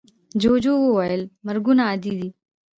جوجو وویل مرگونه عادي دي.